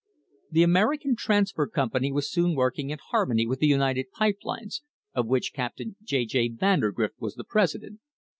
The American Transfer Company was soon working in harmony with the United Pipe Lines, of which Captain J. J. Vandergrift was the president.